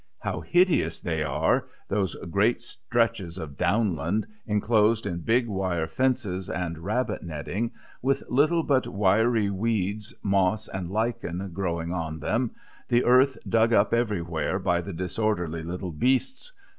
How hideous they are those great stretches of downland, enclosed in big wire fences and rabbit netting, with little but wiry weeds, moss, and lichen growing on them, the earth dug up everywhere by the disorderly little beasts!